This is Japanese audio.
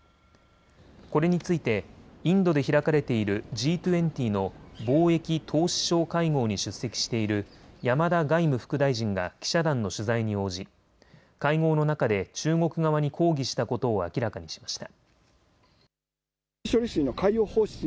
これについてインドで開かれているＧ２０の貿易・投資相会合に出席している山田外務副大臣が記者団の取材に応じ会合の中で中国側に抗議したことを明らかにしました。